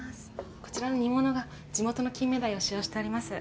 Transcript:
こちらの煮物が地元の金目鯛を使用しております。